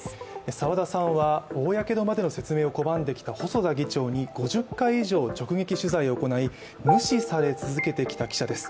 澤田さんは、公の場での説明を拒んできた細田議長に５０回以上直撃取材を続け、無視され続けてきた記者です。